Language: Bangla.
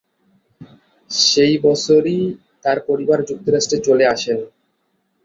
সেই বছরই তার পরিবার যুক্তরাষ্ট্রে চলে আসেন।